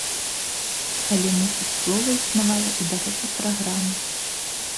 Але, мусіць, слова існавала і да гэтай праграмы.